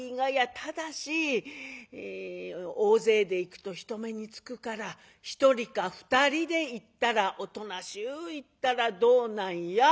ただし大勢で行くと人目につくから１人か２人で行ったらおとなしゅう行ったらどうなんや？